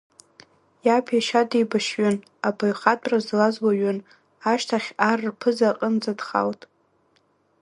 Иаб иашьа деибашьҩын, абаҩхатәра злаз уаҩын, ашьҭахь ар рԥызара аҟынӡа дхалт.